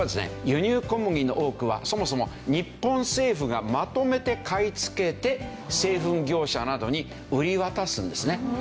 輸入小麦の多くはそもそも日本政府がまとめて買いつけて製粉業者などに売り渡すんですね。